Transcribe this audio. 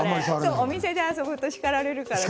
お店で触ると叱られるから。